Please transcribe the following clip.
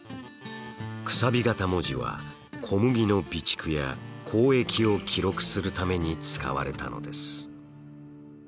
楔形文字は小麦の備蓄や交易を記録するために使われたのです。